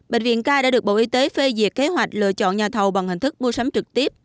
bệnh viện k đã được bộ y tế phê duyệt kế hoạch lựa chọn nhà thầu bằng hình thức mua sắm trực tiếp